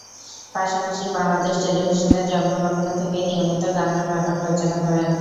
পাশাপাশি বাংলাদেশ টেলিভিশনের জন্মলগ্ন থেকেই নিয়মিত গান ও নাটক রচনা করেন।